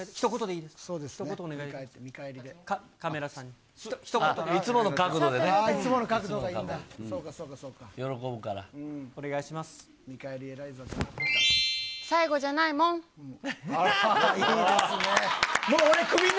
いつもの角度がいいな。